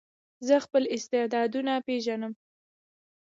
زه خپل استعدادونه پېژنم.